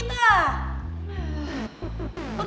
abah abis gua keburu